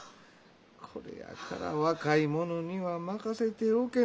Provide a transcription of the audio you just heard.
これやから若い者には任せておけんのじゃ。